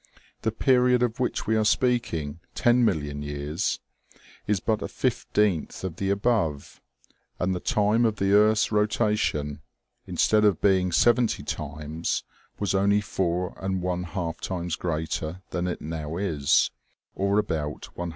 The period of which we are speaking, ten million years, is but a fifteenth of the above ; and the time of the earth's rota tion, instead of being seventy times, was only four and one half times greater than it now is, or about no hours.